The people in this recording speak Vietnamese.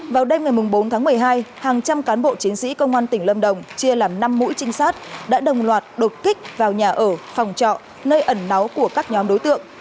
vào đêm ngày bốn tháng một mươi hai hàng trăm cán bộ chiến sĩ công an tỉnh lâm đồng chia làm năm mũi trinh sát đã đồng loạt đột kích vào nhà ở phòng trọ nơi ẩn náu của các nhóm đối tượng